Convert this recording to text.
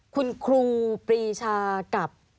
คุณครูปรีชากับ